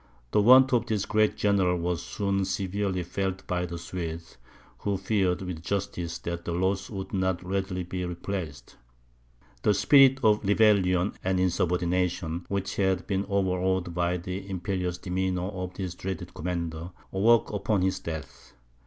The want of this great general was soon severely felt by the Swedes, who feared, with justice, that the loss would not readily be replaced. The spirit of rebellion and insubordination, which had been overawed by the imperious demeanour of this dreaded commander, awoke upon his death.